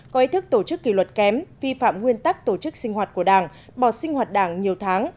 có ý thức tổ chức kỷ luật kém vi phạm nguyên tắc tổ chức sinh hoạt của đảng bỏ sinh hoạt đảng nhiều tháng